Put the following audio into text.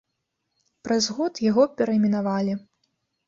Праз год яго перайменавалі.